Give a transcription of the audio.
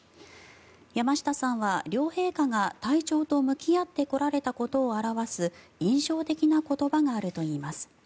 山下さんは両陛下が体調と向き合ってこられたことを表す印象的な言葉があるといいます。